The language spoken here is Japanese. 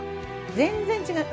全然違う。